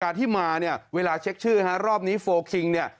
อากาศที่มาเนี่ยเวลาเช็คชื่อครับรอบนี้โฟล์คิงเนี่ย